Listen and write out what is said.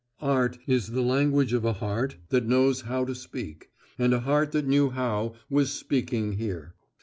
Art is the language of a heart that knows how to speak, and a heart that knew how was speaking here.